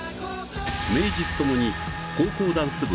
名実共に高校ダンス部